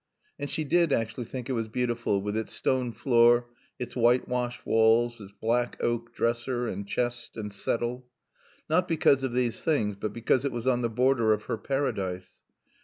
And she did actually think it was beautiful with its stone floor, its white washed walls, its black oak dresser and chest and settle; not because of these things but because it was on the border of her Paradise.